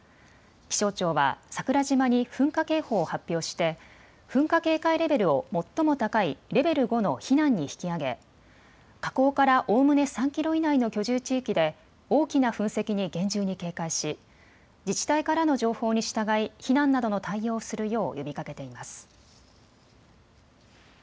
気象庁は桜島に噴火警報を発表して噴火警戒レベルを最も高いレベル５の避難に引き上げ火口からおおむね３キロ以内の居住地域で大きな噴石に厳重に警戒し自治体からの情報に従い避難などの対応をするよう呼びかけています。